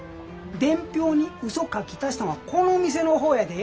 伝票にうそ書き足したんはこの店の方やで。